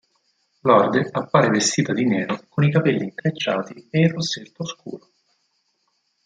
Lorde appare vestita di nero con i capelli intrecciati e il rossetto scuro.